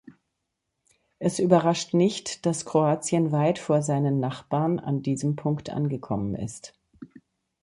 Es überrascht nicht, dass Kroatien weit vor seinen Nachbarn an diesem Punkt angekommen ist.